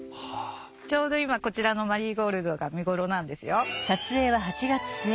ちょうど今こちらのマリーゴールドが見頃なんですよ。